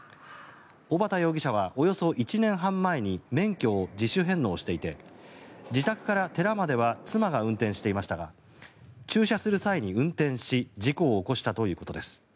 小畠容疑者はおよそ１年半前に免許を自主返納していて自宅から寺までは妻が運転していましたが駐車する際に運転し事故を起こしたということです。